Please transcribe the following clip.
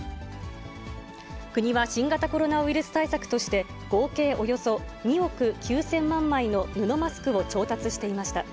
国は新型コロナウイルス対策として、合計およそ２億９０００万枚の布マスクを調達していました。